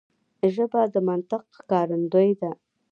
ژبه د منطق ښکارندوی ده